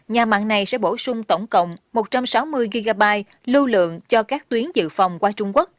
nhà mạng này sẽ bổ sung tổng cộng một trăm sáu mươi gigabyte lưu lượng cho các tuyến dự phòng qua trung quốc